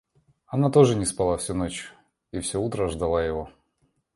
Она тоже не спала всю ночь и всё утро ждала его.